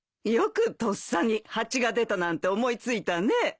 よくとっさに蜂が出たなんて思い付いたね。